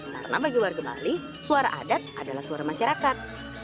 karena bagi warga bali suara adat adalah suara masyarakat